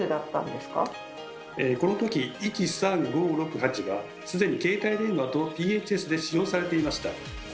この時１・３・５・６・８は既に携帯電話とＰＨＳで使用されていました。